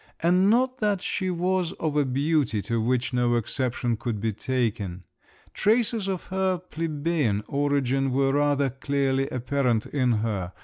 And not that she was of a beauty to which no exception could be taken; traces of her plebeian origin were rather clearly apparent in her.